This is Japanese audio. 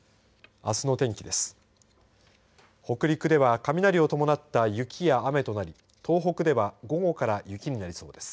あすの天気です。